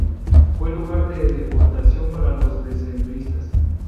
Fue lugar de deportación para los decembristas.